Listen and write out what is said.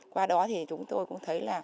qua đó chúng tôi cũng thấy